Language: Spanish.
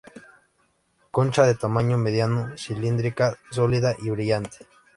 Concha de tamaño mediano, cilíndrica, sólida y brillante.